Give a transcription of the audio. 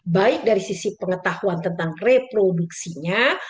baik dari sisi pengetahuan tentang reproduksinya